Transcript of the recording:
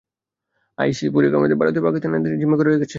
ISC আমাদের ভারতীয় ও পাকিস্তানি নার্সদের জিম্মি করে রেখেছে।